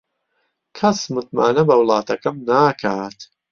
کەس متمانە بە وڵاتەکەم ناکات.